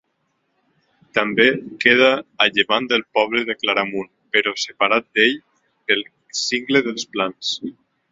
També queda a llevant del poble de Claramunt, però separat d'ell pel Cingle dels Plans.